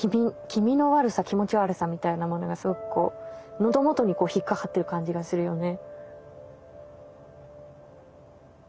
気味の悪さ気持ち悪さみたいなものがすごくこう喉元に引っ掛かってる感じがするよね。